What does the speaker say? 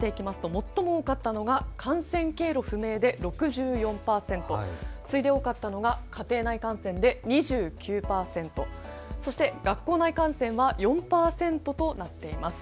見ていきますと最も多かったのが感染経路不明で６４％、次いで多かったのが家庭内感染で２９％、そして学校内感染は４％となっています。